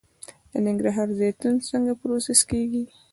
د ننګرهار زیتون څنګه پروسس کیږي؟